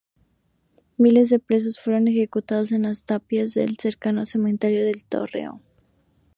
Miles de presos fueron ejecutados en las tapias del cercano cementerio de Torrero.